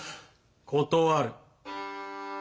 断る。